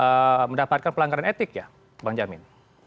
pak ferdis sambo ini juga mendapatkan pelanggaran etik ya bang jamin